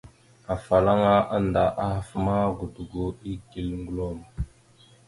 Afalaŋa anda ahaf ma, godogo igal gəlom.